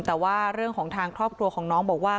แต่ว่าเรื่องของทางครอบครัวของน้องบอกว่า